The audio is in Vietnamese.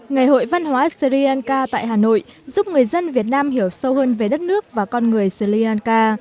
ngày hội văn hóa sri lanka tại hà nội giúp người dân việt nam hiểu sâu hơn về đất nước và con người sri lanka